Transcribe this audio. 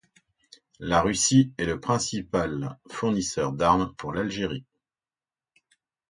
La Russie est le principal fournisseur d'armes pour l’Algérie.